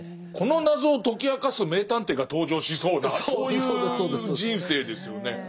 この謎を解き明かす名探偵が登場しそうなそういう人生ですよね。